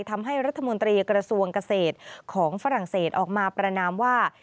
ทำให้รัฐมนตรีกระทรวงเกษตรของฝรั่งเศสออกมาประนามว่า